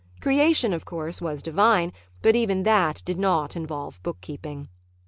Creation, of course, was divine, but even that did not involve bookkeeping.